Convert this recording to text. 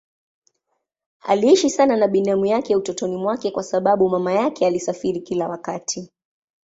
Aliishi sana na binamu yake utotoni mwake kwa sababu mama yake alisafiri kila wakati.